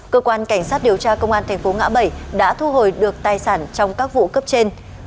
cơ quan cảnh sát điều tra công an thành phố ngã bảy đã thu hồi được tài sản trong các vụ cấp trên